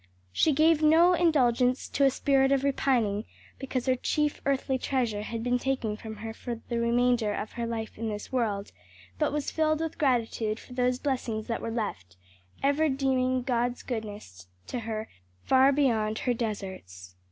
She gave no indulgence to a spirit of repining because her chief earthly treasure had been taken from her for the remainder of her life in this world, but was filled with gratitude for those blessings that were left, ever deeming God's goodness to her far beyond her deserts.